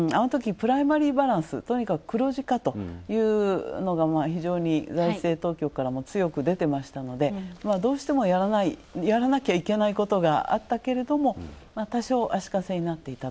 プライマリーバランス、黒字化というのが非常に財政当局から強く出ていましたのでどうしてもやらなきゃいけないことがあったけれども、多少、足かせになっていた